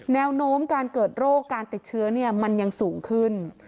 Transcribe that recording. แนวโน้มการเกิดโรคการติดเชื้อมันยังสูงขึ้น